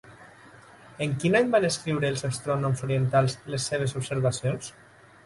En quin any van escriure els astrònoms orientals les seves observacions?